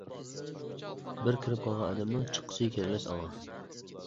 بىر كىرىپ قالغان ئادەمنىڭ چىققۇسى كەلمەس ئاڭا.